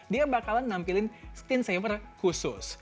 dia bakalan nampilin stein saver khusus